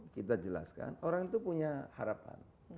kita jelaskan orang itu punya harapan